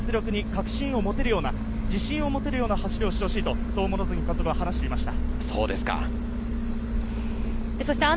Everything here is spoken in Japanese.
今日は自分の実力に確信を持てるような、自信を持てるような走りをしてほしいと話していました。